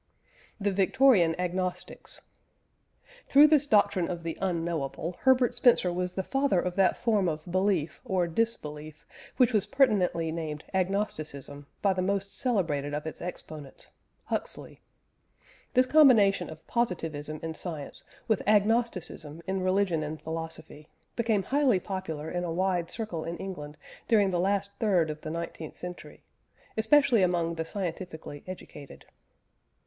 THE VICTORIAN AGNOSTICS. Through this doctrine of the Unknowable, Herbert Spencer was the father of that form of belief or disbelief which was pertinently named Agnosticism by the most celebrated of its exponents Huxley. This combination of Positivism in science with Agnosticism in religion and philosophy, became highly popular in a wide circle in England during the last third of the nineteenth century, especially among the scientifically educated.